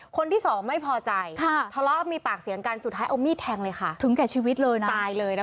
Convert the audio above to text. คนที่สองไม่พอใจค่ะท้อรอบมีปากเซียงกันสุดใช้เอามีดแทงเลยค่ะ